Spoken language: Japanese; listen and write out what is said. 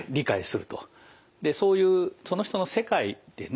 でそういうその人の世界ですね